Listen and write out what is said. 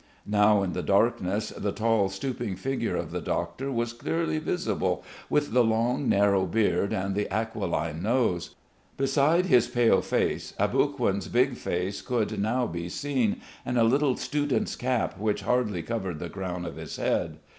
Now in the darkness the tall stooping figure of the doctor was clearly visible with the long, narrow beard and the aquiline nose. Besides his pale face Aboguin's big face could now be seen and a little student's cap which hardly covered the crown of his head.